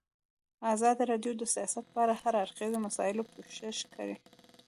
ازادي راډیو د سیاست په اړه د هر اړخیزو مسایلو پوښښ کړی.